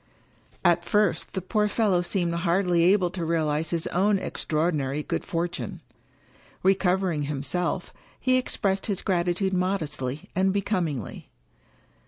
At first the poor fellow seemed hardly able to realize his own extraordinary good fortune. Recovering himself, he expressed his gratitude modestly and becomingly.